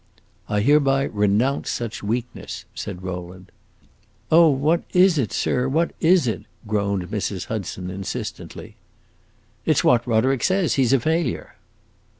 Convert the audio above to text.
"I hereby renounce such weakness!" said Rowland. "Oh, what is it, sir; what is it?" groaned Mrs. Hudson, insistently. "It 's what Roderick says: he 's a failure!"